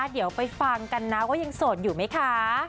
เดี๋ยวไปฟังกันนะปรุงก็ยังโสดอยู่มั้ยคะ